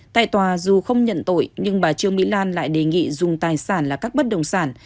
tại tòa dù không nhận tội nhưng bà trương mỹ lan lại đề nghị dùng tài sản là các bất đồng sản